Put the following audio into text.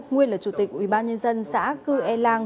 nguyên là chủ tịch ubnd xã cư e lang